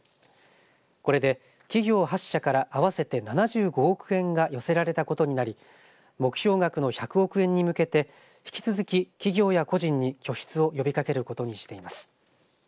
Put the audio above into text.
これで企業８社から合わせて７５億円が寄せられたことになり目標額の１００億円に向けて引き続き、企業や個人に拠出を呼びかけることにしています。